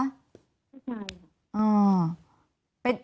ผู้ชายค่ะ